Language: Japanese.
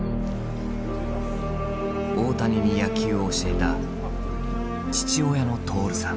大谷に野球を教えた父親の徹さん。